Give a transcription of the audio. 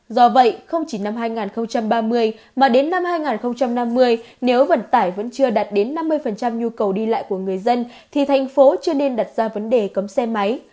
do vậy không chỉ năm hai nghìn ba mươi mà đến năm hai nghìn năm mươi nếu vận tải vẫn chưa đạt đến năm mươi nhu cầu đi lại của người dân thì thành phố chưa nên đặt ra vấn đề cấm xe máy